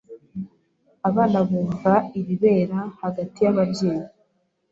Abana bumva ibibera hagati y'ababyeyi